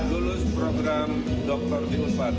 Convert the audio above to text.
lulus program doktor di umpan